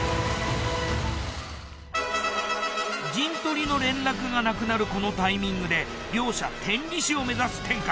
陣取りの連絡がなくなるこのタイミングで両者天理市を目指す展開。